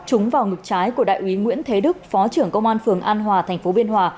trúng vào ngực trái của đại úy nguyễn thế đức phó trưởng công an phường an hòa thành phố biên hòa